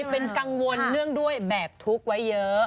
เป็นกังวลเนื่องด้วยแบกทุกข์ไว้เยอะ